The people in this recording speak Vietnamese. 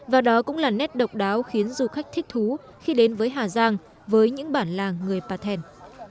và đó cũng là nét độc đáo khiến du khách thích thú khi đến với hà giang với những bản làng người pà thèn